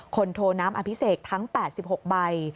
โทน้ำอภิเษกทั้ง๘๖ใบ